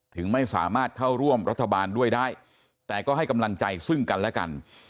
ถึงไม่สามารถเข้าร่วมรัฐบาลด้วยได้แต่ก็ให้กำลังใจซึ่งกันและกัน